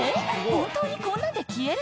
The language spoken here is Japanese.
本当にこんなんで消える？